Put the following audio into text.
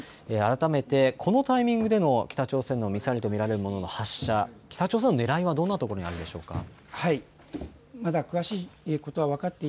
改めてこのタイミングでの北朝鮮のミサイルと見られるものの発射、北朝鮮のねらいはどんなところにあるんでしょうか。